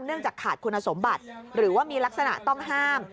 จากขาดคุณสมบัติหรือว่ามีลักษณะต้องห้าม